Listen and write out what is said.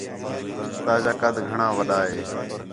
تاجا قد گھݨاں وݙّا ہے